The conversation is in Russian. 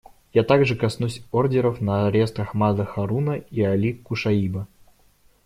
Я также коснусь ордеров на арест Ахмада Харуна и Али Кушаиба.